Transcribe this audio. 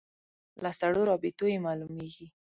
له سړو رابطو یې معلومېږي.